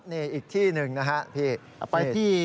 หรืออีกที่๑นะครับพี่